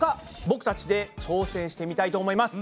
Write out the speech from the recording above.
僕たちで挑戦してみたいと思います！